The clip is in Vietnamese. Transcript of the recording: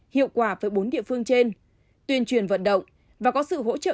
hiệu quả với bốn địa phương trên tuyên truyền vận động và có sự hỗ trợ